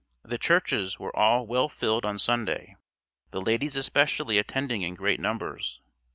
The churches were all well filled on Sunday, the ladies especially attending in great numbers.